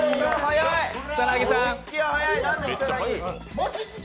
もちつき！